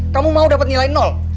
kamu mau dapat nilai